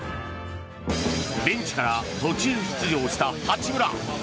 ベンチから途中出場した八村。